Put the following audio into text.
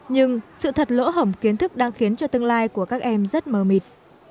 nhưng sự thật lỗ hổng kiến thức đang khiến cho tương lai của các em rất mờ mịt